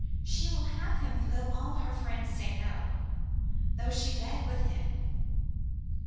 She will have him though all her friends say no, though she beg with him.